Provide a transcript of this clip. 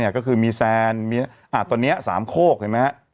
ก็คือมีแซนตอนนี้๓โคกเห็นไหมฮะ